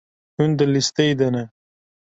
Hûn di lîsteyê de ne.